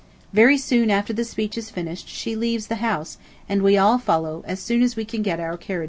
Very soon after the speech is finished she leaves the House, and we all follow, as soon as we can get our carriages.